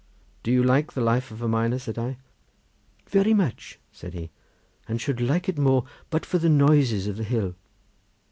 "Do you like the life of a miner?" said I. "Very much," said he, "and should like it more, but for the noises of the hill."